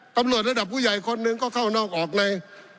ตำรวจระดับผู้ใหญ่คนหนึ่งก็เข้านอกออกใน